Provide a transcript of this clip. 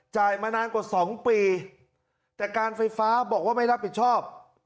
มานานกว่าสองปีแต่การไฟฟ้าบอกว่าไม่รับผิดชอบ